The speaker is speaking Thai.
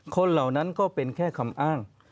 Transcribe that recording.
เหล่านั้นก็เป็นแค่คำอ้าง